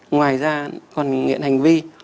ngoài ra còn nghiện hành vi